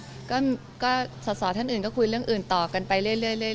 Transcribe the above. ตอนนี้เหมือนแบบพักพลังปัชฌาลัทธ์เหมือนจะไม่ได้รู้ว่าคุณเข้ามาช่วยเหลือเราขนาดที่แบบต่อหน้าเนี่ยเหมือนกัน